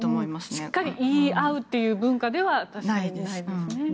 しっかり言い合うという文化ではないですよね。